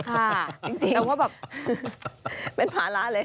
ค่ะจริงเป็นภาระเลย